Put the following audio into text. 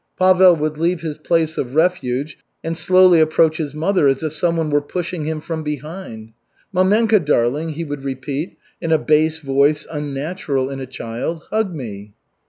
'" Pavel would leave his place of refuge and slowly approach his mother, as if someone were pushing him from behind. "Mamenka darling," he would repeat in a bass voice unnatural in a child, "hug me."